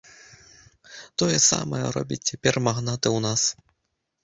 Тое самае робяць цяпер магнаты ў нас!